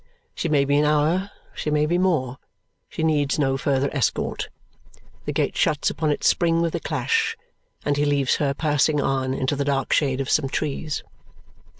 She may be an hour, she may be more. She needs no further escort. The gate shuts upon its spring with a clash, and he leaves her passing on into the dark shade of some trees.